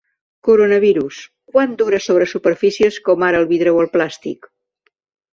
Coronavirus: quant dura sobre superfícies com ara el vidre o el plàstic?